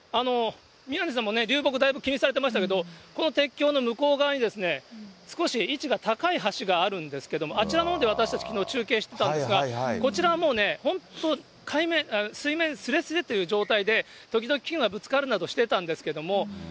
宮根さんもね、流木、だいぶ気にされてましたけど、この鉄橋の向こう側に、少し位置が高い橋があるんですけれども、あちらのほうで私たち、きのう中継してたんですが、こちらはもう、本当、水面すれすれっていう状態で、時々、木がぶつかるなどしてたんですけども。